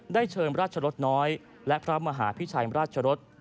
เชิญราชรสน้อยและพระมหาพิชัยราชรส